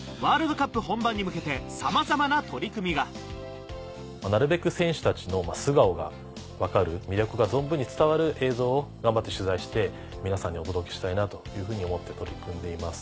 さらになるべく選手たちの素顔が分かる魅力が存分に伝わる映像を頑張って取材して皆さんにお届けしたいなと思って取り組んでいます。